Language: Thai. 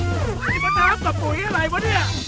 นี่เป็นน้ำสมบูรณ์อะไรวะนี่